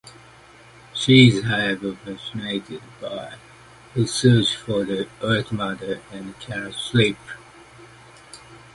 She is however fascinated by his search for the earth mother and cannot sleep.